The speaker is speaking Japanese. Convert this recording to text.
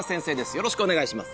よろしくお願いします